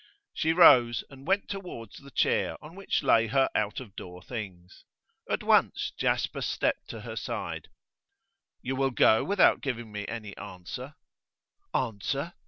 She rose, and went towards the chair on which lay her out of door things. At once Jasper stepped to her side. 'You will go without giving me any answer?' 'Answer?